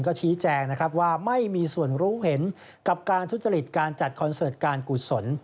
ก็ชี้แจงนะครับว่าไม่มีส่วนรู้เห็นกับการทุจริตการจัดคอนเสิร์ตการกุศล